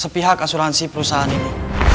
sepihak asuransi perusahaan ini